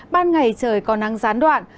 ban ngày trời còn nắng gián đoạn